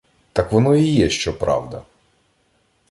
— Так воно і є, що правда.